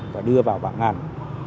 và đưa vào vận hành